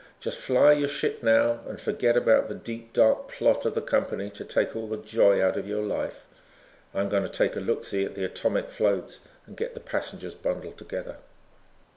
Just fly your ship, now, and forget about the deep dark plot of the company to take all the joy out of your life. I'm going to take a look see at the atomic floats and get the passengers bundled together."